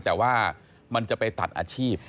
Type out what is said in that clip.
แต่ว่ามันจะไปตัดอาชีพ